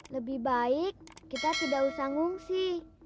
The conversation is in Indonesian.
lebih baik kita tidak usah ngungsi